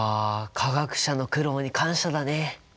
化学者の苦労に感謝だね。